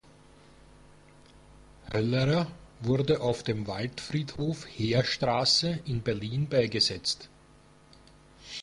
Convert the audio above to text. Höllerer wurde auf dem Waldfriedhof Heerstraße in Berlin beigesetzt.